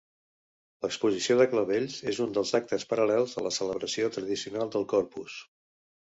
L’Exposició de Clavells és un dels actes paral·lels a la celebració tradicional del Corpus.